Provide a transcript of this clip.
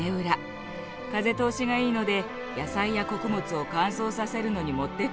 風通しがいいので野菜や穀物を乾燥させるのにもってこい。